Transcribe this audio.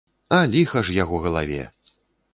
А ліха ж яго галаве!